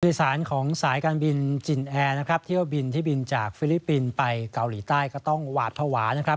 โดยสารของสายการบินจินแอร์นะครับเที่ยวบินที่บินจากฟิลิปปินส์ไปเกาหลีใต้ก็ต้องหวาดภาวะนะครับ